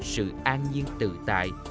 sự an nhiên tự tại